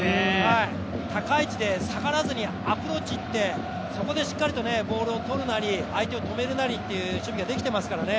高い位置で下がらずにアプローチにいって、そこでしっかりとボールを取るなり、相手を止めるなりという守備ができていますからね。